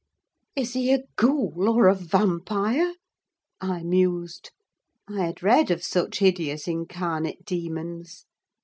"Is he a ghoul or a vampire?" I mused. I had read of such hideous incarnate demons.